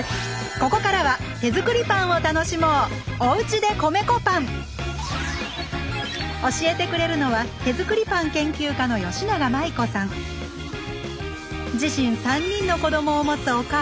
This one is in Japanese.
ここからは手作りパンを楽しもう教えてくれるのは自身３人の子どもを持つお母さん。